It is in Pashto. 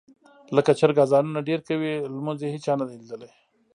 لکه چرګ اذانونه ډېر کوي، لمونځ یې هېچا نه دي لیدلی.